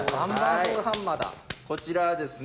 こちらはですね